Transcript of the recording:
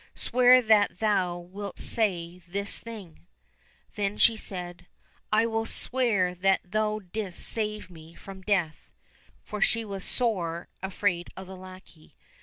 Swear that thou wilt say this thing !" Then she said, " I will swear that thou didst save me from death," for she was sore afraid of the lackey.